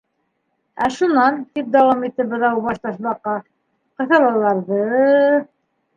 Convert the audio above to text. —Ә шунан, —тип дауам итте Быҙаубаш Ташбаҡа, —ҡыҫалаларҙы...